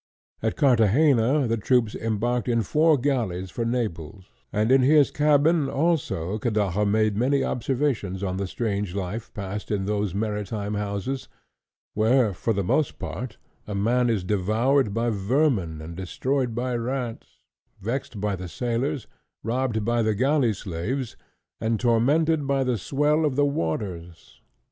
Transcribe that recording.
At Carthagena the troops embarked in four galleys for Naples; and in his cabin, also, Kodaja made many observations on the strange life passed in those maritime houses, where, for the most part, a man is devoured by vermin and destroyed by rats, vexed by the sailors, robbed by the galley slaves, and tormented by the swell of the waters.